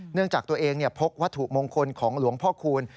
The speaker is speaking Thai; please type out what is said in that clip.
เนื่องจากตัวเองเนี่ยพกวัตถุมงคลของหลวงพ่อคูณ